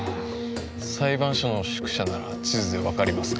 裁判所の宿舎なら地図で分かりますが。